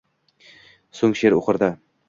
so’ng she’r o’qirdi.